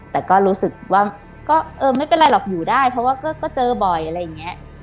แต่ก็รู้สึกว่าก็เออไม่เป็นไรหรอกอยู่ได้เพราะว่าก็เจอบ่อยอะไรอย่างนี้